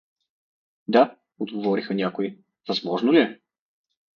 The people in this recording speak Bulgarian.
— Да — отговориха някои, — възможно ли е?